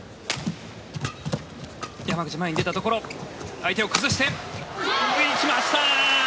相手を崩して、いきました！